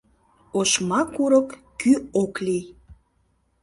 Ошма курык кӱ ок лий